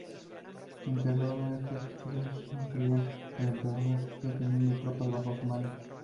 Enterrando estas estatuas se creía que el emperador seguiría teniendo tropas bajo su mando.